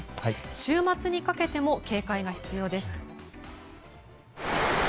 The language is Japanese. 週末にかけても警戒が必要です。